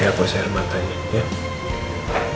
ya aku bisa hermat aja ya